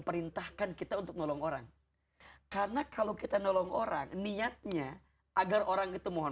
perintahkan kita untuk nolong orang karena kalau kita nolong orang niatnya agar orang itu mohon